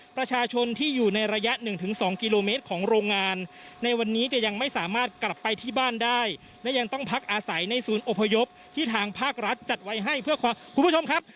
ประชาชนที่อยู่ในระยะหนึ่งถึงสองกิโลเมตรของโรงงานในวันนี้จะยังไม่สามารถกลับไปที่บ้านได้และยังต้องพักอาศัยในศูนย์อพยพที่ทางภาครัฐจัดไว้ให้เพื่อความคุณผู้ชมครับ